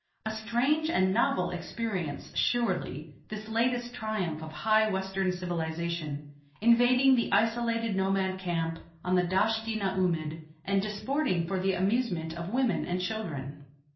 A strange and novel experience, surely, this latest triumph of high Western civilization, invading the isolated nomad camp on the Dasht i na oomid and disporting for the amusement of the women and children.